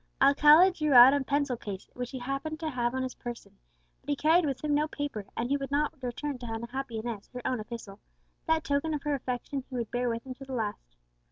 Alcala drew out a pencil case which he chanced to have on his person, but he carried with him no paper, and he would not return to the unhappy Inez her own epistle; that token of her affection he would bear with him to the last.